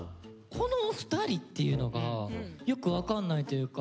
この２人っていうのがよく分かんないというか。